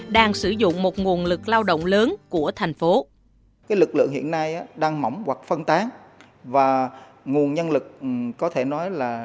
đang sử dụng một nguồn lực lao động lớn của thành phố